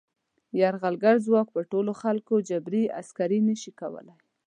یرغلګر ځواک په ټولو خلکو جبري عسکري نه شي کولای.